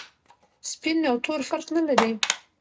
سپین او تور فرق نلري.